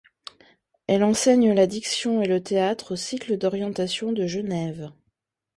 Elle enseigne la diction et le théâtre au Cycle d'Orientation de Genève.